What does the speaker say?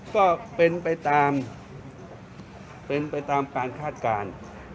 ก็เป็นไปตามการคาดการณ์